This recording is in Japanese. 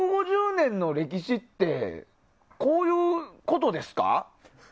１５０年の歴史ってこういうことですか？